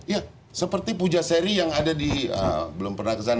iya seperti pujaseri yang ada di belum pernah kesana